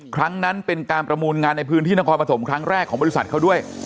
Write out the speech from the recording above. ครั้งนั้นเป็นการประมูลงานในพื้นที่นครปฐมครั้งแรกของบริษัทเขาด้วย